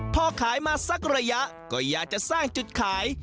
พอขายมาสักระยะก็อยากจะสร้างจุดขาย